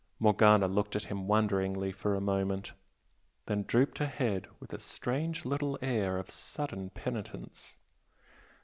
Morgana looked at him wonderingly for a moment, then drooped her head with a strange little air of sudden penitence.